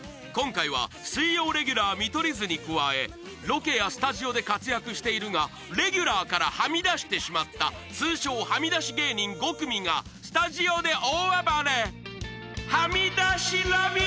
今回は水曜レギュラー見取り図に加えロケやスタジオで活躍しているがレギュラーからはみ出してしまった通称はみ出し芸人５組がスタジオで大暴れ！